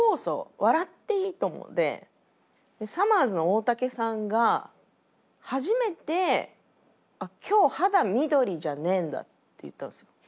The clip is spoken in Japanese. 「笑っていいとも！」でさまぁずの大竹さんが初めて「今日肌緑じゃねえんだ？」って言ったんですよ。